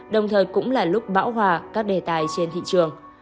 đồng thời cũng là lúc bão hòa các đề tài trên thị trường